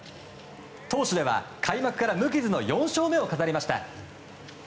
投手では開幕から無傷の４勝目を飾りました。